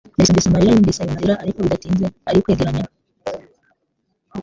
Marcy yumvise amarira yumvise ayo makuru, ariko bidatinze arikwegeranya